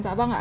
dạ vâng ạ